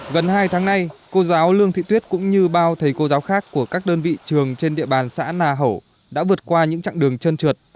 gần hai tháng nay cô giáo lương thị tuyết cũng như bao thầy cô giáo khác của các đơn vị trường trên địa bàn xã nà hổ đã vượt qua những chặng đường chân trượt